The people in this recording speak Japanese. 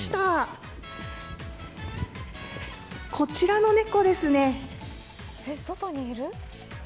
こちらの猫ですね。